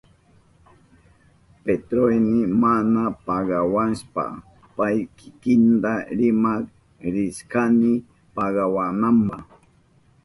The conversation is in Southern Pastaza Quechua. Patroyni mana pagawashpan pay kikinta rimak rishkani pagawananpa.